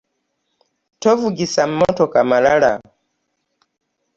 Tovugisa motoka malala.